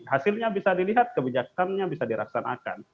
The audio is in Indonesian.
hasilnya bisa dilihat kebijakannya bisa dilaksanakan